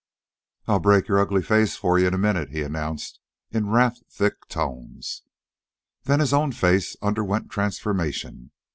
"I'll break yer ugly face for yeh in a minute," he announced in wrath thick tones. Then his own face underwent transformation.